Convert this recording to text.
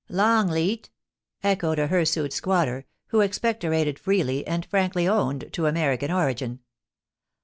' Longleat !* echoed a hirsute squatter, who expectorated freely, and frankly owned to American origin.